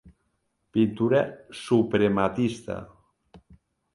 Pintura suprematista.